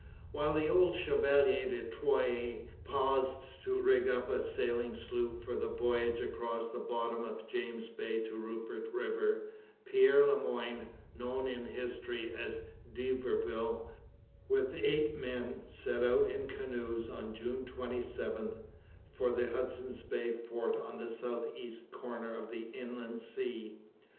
While the old Chevalier de Troyes paused to rig up a sailing sloop for the voyage across the bottom of James Bay to the Rupert river, Pierre Le Moyne known in history as d'Iberville with eight men, set out in canoes on June 27 for the Hudson's Bay fort on the south east corner of the inland sea.